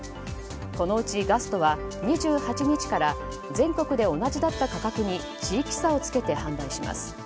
そのうちガストは２８日から全国で同じだった価格に地域差を付けて販売します。